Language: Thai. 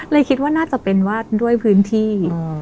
คิดว่าน่าจะเป็นว่าด้วยพื้นที่